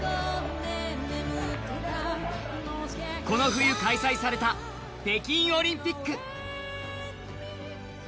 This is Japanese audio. この冬開催された北京オリンピック。